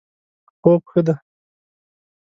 خوب ښه دی